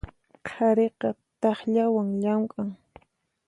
Qhariqa takllawan llamk'an.